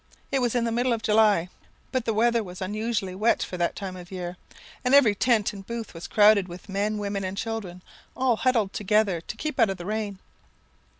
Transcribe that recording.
It was the middle of July, but the weather was unusually wet for that time of year, and every tent and booth was crowded with men, women, and children, all huddled together to keep out of the rain.